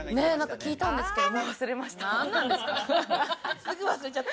聞いたんですけど、もう忘れました。